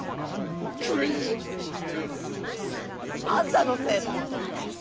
全部あんたのせいだ。